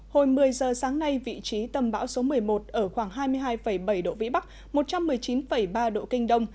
hồi một mươi giờ sáng nay vị trí tâm bão số một mươi một ở khoảng hai mươi hai bảy độ vĩ bắc một trăm một mươi chín ba độ kinh đông